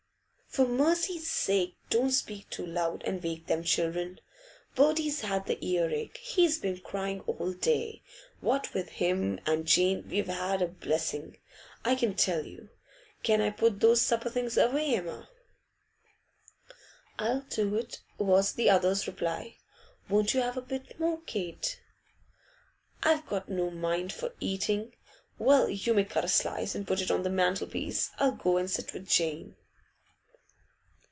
'For mercy's sake don't speak too loud, and wake them children. Bertie's had the earache; he's been crying all day. What with him and Jane we've had a blessing, I can tell you. Can I put these supper things away, Emma?' 'I'll do it,' was the other's reply. 'Won't you have a bit more, Kate?' 'I've got no mind for eating. Well, you may cut a slice and put it on the mantelpiece. I'll go and sit with Jane.